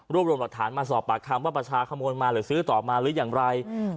รวมรวมหลักฐานมาสอบปากคำว่าประชาขโมยมาหรือซื้อต่อมาหรืออย่างไรอืม